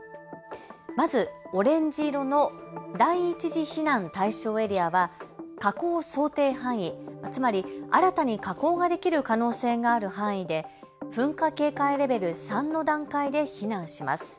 まずオレンジ色の第１次避難対象エリアは火口想定範囲、つまり新たに火口ができる可能性がある範囲で噴火警戒レベル３の段階で避難します。